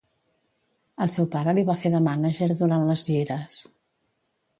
El seu pare li va fer de mànager durant les gires.